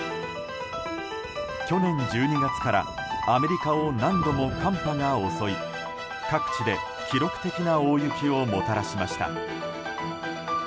去年１２月からアメリカを何度も寒波が襲い各地で記録的な大雪をもたらしました。